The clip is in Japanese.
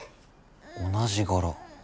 同じ柄。